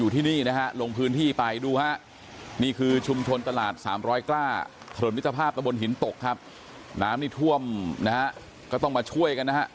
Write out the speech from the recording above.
ถล่มวิทยาภาพบนหินตกครับน้ำนี่ท่วมนะฮะก็ต้องมาช่วยกันนะฮะ